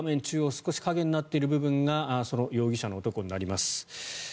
中央少し影になっている部分がその容疑者の男になります。